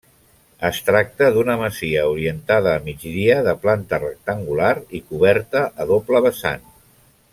Es tracta d'una masia orientada a migdia, de planta rectangular i coberta a doble vessant.